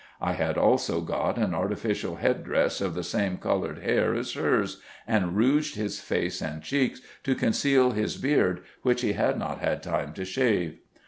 I had also got an artificial head dress of the same coloured hair as hers, and rouged his face and cheeks, to conceal his beard which he had not had time to shave.